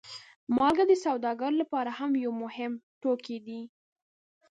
مالګه د سوداګرو لپاره هم یو مهم توکی دی.